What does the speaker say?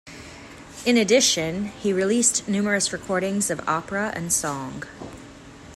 In addition, he released numerous recordings of opera and song.